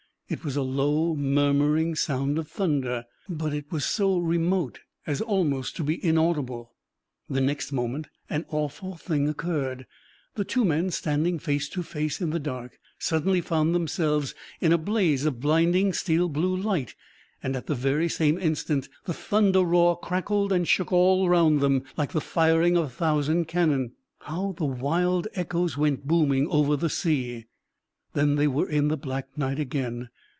It was a low, murmuring sound of thunder; but it was so remote as almost to be inaudible. The next moment an awful thing occurred. The two men standing face to face in the dark suddenly found themselves in a blaze of blinding steel blue light, and at the very same instant the thunder roar crackled and shook all around them like the firing of a thousand cannon. How the wild echoes went booming over the sea! Then they were in the black night again.